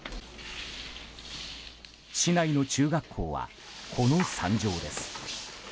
市内の中学校は、この惨状です。